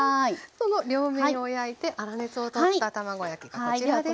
その両面を焼いて粗熱を取った卵焼きがこちらです。